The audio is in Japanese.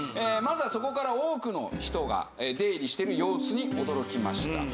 まずはそこから多くの人が出入りしてる様子に驚きました。